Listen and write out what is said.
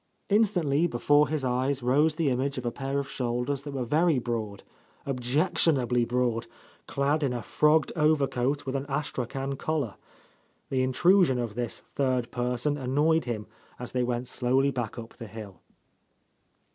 Instantly before his eyes rose the image of a pair of shoulders that were very broad, objec tionably broad, clad in a frogged overcoat with an astrachan collar. The intrusion of this third person annoyed him as they went slowly back up the hill.